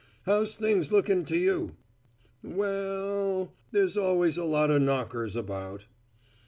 "How's things looking to you?" "We ell, there's always a lot of knockers about."